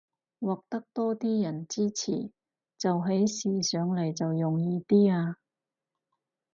獲得多啲人支持，做起事上來都容易啲吖